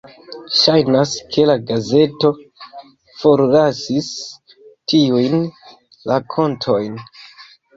Ŝajnas ke la gazeto forlasis tiujn rakontojn.